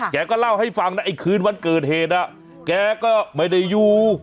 แกก็เล่าให้ฟังนะไอ้คืนวันเกิดเหตุแกก็ไม่ได้อยู่